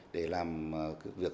để làm việc